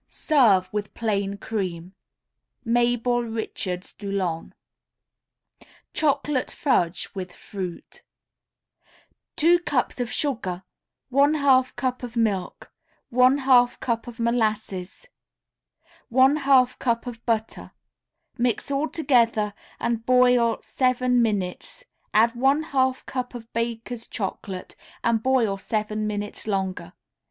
Serve with plain cream. Mabel Richards Dulon. CHOCOLATE FUDGE WITH FRUIT Two cups of sugar, one half cup of milk, one half cup of molasses, one half cup of butter; mix all together and boil seven minutes; add one half cup of Baker's Chocolate and boil seven minutes longer.